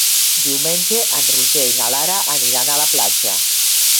Diumenge en Roger i na Lara aniran a la platja.